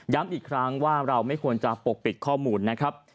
อีกครั้งว่าเราไม่ควรจะปกปิดข้อมูลนะครับ